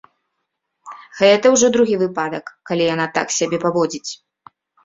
Гэта ўжо другі выпадак, калі яна так сябе паводзіць.